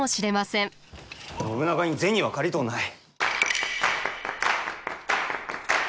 信長に銭は借りとうない。